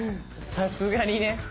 さすがにね。